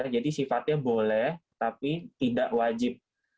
jadi sifatnya boleh tapi tidak wajib